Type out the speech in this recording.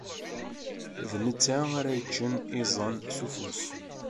D netta ara yeččen iẓẓan s ufus.